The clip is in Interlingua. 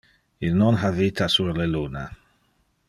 Il non ha vita sur le luna.